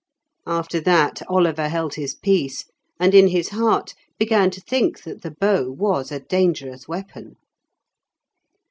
After that Oliver held his peace, and in his heart began to think that the bow was a dangerous weapon.